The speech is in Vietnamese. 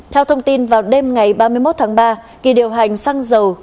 theo thông tin vào đêm ngày ba mươi một tháng ba kỳ điều hành xăng dầu